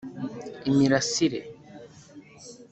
imirasire